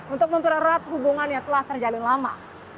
untuk mempererat hubungan yang telah terjalin lama